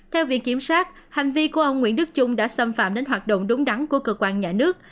theo viện kiểm sát hành vi của ông nguyễn đức trung đã xâm phạm đến hoạt động đúng đắn của cơ quan nhà nước